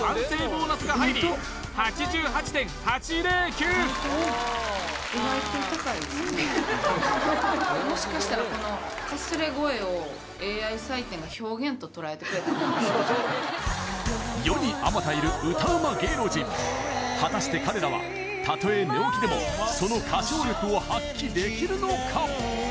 ボーナスが入りもしかしたらこのＡｉ採点が世にあまたいる歌うま芸能人果たして彼らはたとえ寝起きでもその歌唱力を発揮できるのか？